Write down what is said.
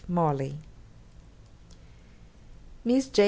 MORLEY.' _Miss J.